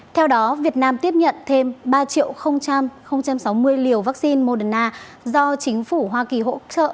theo đó việt nam tiếp nhận thêm ba sáu mươi liều vaccine moderna do chính phủ hoa kỳ hỗ trợ